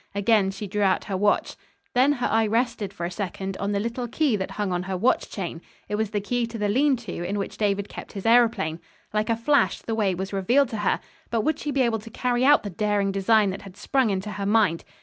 Again she drew out her watch. Then her eye rested for a second on the little key that hung on her watch chain. It was the key to the lean to in which David kept his aëroplane. Like a flash the way was revealed to her. But would she be able to carry out the daring design that had sprung into her mind?